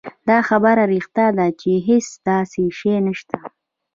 دا خبره رښتيا ده چې هېڅ داسې شی نشته